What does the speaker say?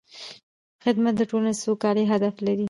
خدمت د ټولنې د سوکالۍ هدف لري.